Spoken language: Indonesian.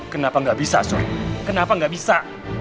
kenapa gak bisa sur kenapa gak bisa